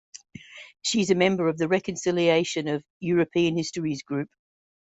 She is a member of the Reconciliation of European Histories Group.